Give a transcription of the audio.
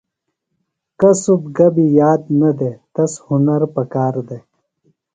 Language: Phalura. کُصب گبیۡ یاد نہ دےۡ، تس ہُنر پکار دےۡ